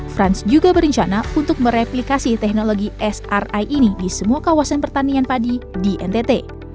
frans juga berencana untuk mereplikasi teknologi sri ini di semua kawasan pertanian padi di ntt